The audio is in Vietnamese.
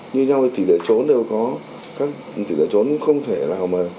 như nhau thì tỉ lệ trốn đều có tỉ lệ trốn không thể nào mà